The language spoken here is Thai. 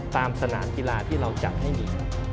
สนามกีฬาที่เราจัดให้มี